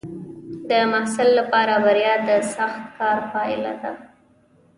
د محصل لپاره بریا د سخت کار پایله ده.